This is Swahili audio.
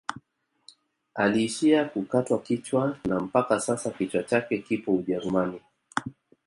Aliishia kukatwa kichwa na mpaka sasa kichwa chake kipo ujerumani